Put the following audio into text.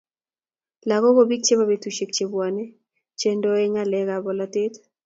Lagok ko biik chebo betusiek chebwone che ndoi ngalek ab bolatet